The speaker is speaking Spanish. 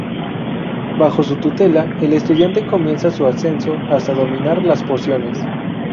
Bajo su tutela, el estudiante comienza su ascenso hasta dominar las pociones.